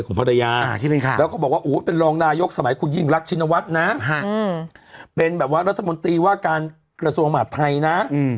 ของภรรยาแล้วก็บอกว่าโอ้ยเป็นรองนายกสมัยคุณยิ่งรัฐชินวรรษเป็นแบบว่ารัฐมนตรีว่าการกระโสฮมาตรไทยนะ